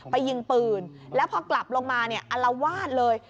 ไปยิงปืนแล้วพอกลับลงมาอะละวาดเลย